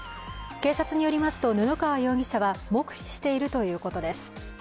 警察によりますと布川容疑者は黙秘しているということです。